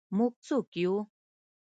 موږ څوک یو؟